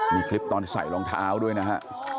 มีคลิปตอนใส่รองเท้าด้วยนะฮะ